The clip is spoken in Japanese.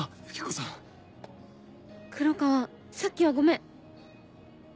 さっきはごめん！」。